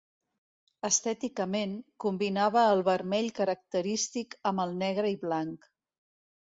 Estèticament, combinava el vermell característic amb el negre i blanc.